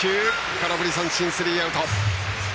空振り三振、スリーアウト。